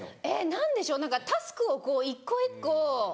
何でしょうタスクを一個一個。